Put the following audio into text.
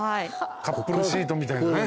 カップルシートみたいなね。